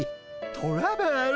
トレベル